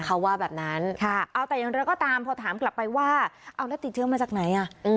เขาว่าแบบนั้นเอาแต่อย่างไรก็ตามพอถามกลับไปว่าเอาแล้วติดเชื้อมาจากไหนอ่ะ